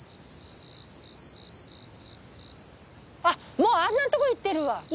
あっもうあんなとこいってるわ！